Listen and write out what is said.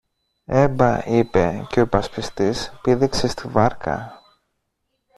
Έμπα, είπε, και ο υπασπιστής πήδηξε στη βάρκα.